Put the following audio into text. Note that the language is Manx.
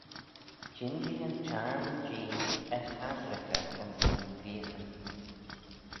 Jean-jee yn Çhiarn Jee y chasherickey ayns nyn greeaghyn.